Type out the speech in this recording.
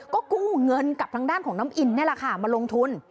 ก็กู้เงินกับทางด้านของน้ำอินนี่แหละค่ะมาลงทุน